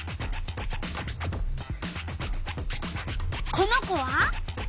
この子は？